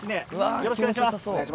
よろしくお願いします。